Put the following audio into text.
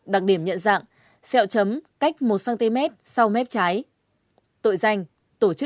đặc điểm nhận dạng sẹo chấm cách một cm sau mép trái